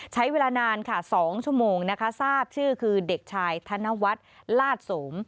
ใช้เวลานานค่ะ๒ชั่วโมงนะคะทราบชื่อคือเด็กชายธนวัฒน์ลาดสม